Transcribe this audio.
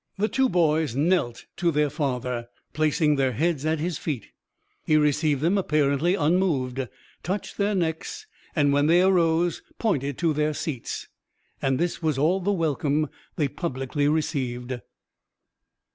The two boys knelt to their father, placing their heads at his feet. He received them apparently unmoved, touched their necks, and when they arose pointed to their seats; and this was all the welcome they publicly received.